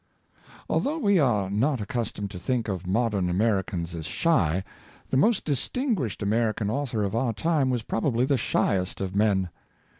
Although we are not accustomed to think of modern Americans as shy, the most distinguished American author of our time was probably the shyest of men.